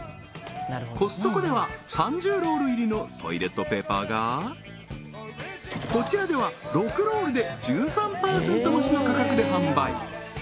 コストコでは３０ロール入りのトイレットペーパーがこちらでは６ロールで１３％増しの価格で販売